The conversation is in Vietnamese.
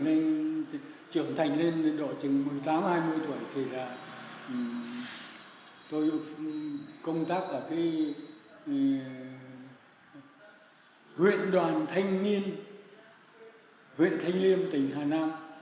những khi trưởng thành lên đội trường một mươi tám hai mươi tuổi thì là tôi công tác ở huyện đoàn thanh niên huyện thanh niên tỉnh hà nam